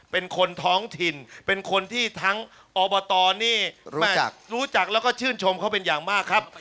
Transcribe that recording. เป็นคนท้องถิ่นเป็นคนที่ทั้งอบตนี่รู้จักแล้วก็ชื่นชมเขาเป็นอย่างมากครับ